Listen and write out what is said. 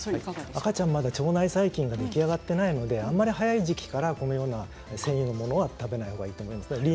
赤ちゃんはまだ腸内細菌が出来上がっていないのであまり早い時期からこのような繊維のものは食べない方がいいと思います。